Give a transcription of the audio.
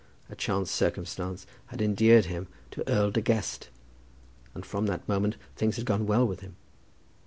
A chance circumstance had endeared him to Earl De Guest, and from that moment things had gone well with him.